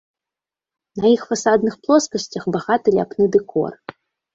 На іх фасадных плоскасцях багаты ляпны дэкор.